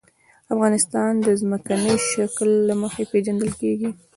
افغانستان د ځمکنی شکل له مخې پېژندل کېږي.